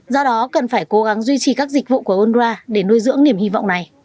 do đó cần phải cố gắng duy trì các dịch vụ của unrwa để nuôi dưỡng niềm hy vọng này